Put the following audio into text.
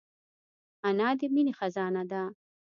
انا د مینې خزانه ده